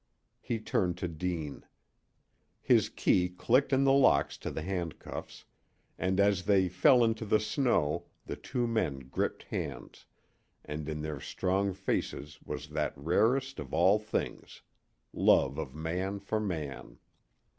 He turned to Deane. His key clicked in the locks to the handcuffs, and as they fell into the snow the two men gripped hands, and in their strong faces was that rarest of all things love of man for man.